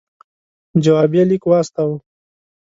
جوابیه لیک واستاوه.